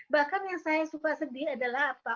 bahkan yang saya suka sedih adalah apa